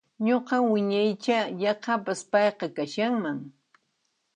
Nuqa wiñaicha yaqapas payqa kashanman